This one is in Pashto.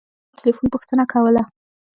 چا د تیلیفون پوښتنه کوله.